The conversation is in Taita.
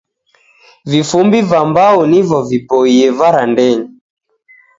Vifumbi ra mbau nivo viboie varandenyi.